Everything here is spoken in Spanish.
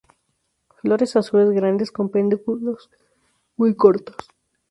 Flores azules grandes, con pedúnculos muy cortos.